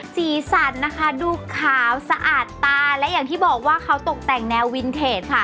สีสันนะคะดูขาวสะอาดตาและอย่างที่บอกว่าเขาตกแต่งแนววินเทจค่ะ